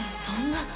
そんな。